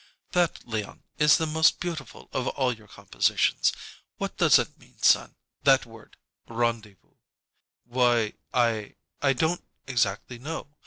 "That, Leon, is the most beautiful of all your compositions. What does it mean, son, that word, 'rondy voo'?" "Why, I I don't exactly know.